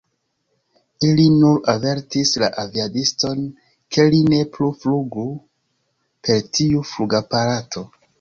Ili nur avertis la aviadiston, ke li ne plu flugu per tiu flugaparato.